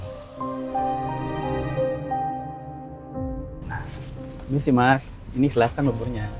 ini sih mas ini silahkan buurnya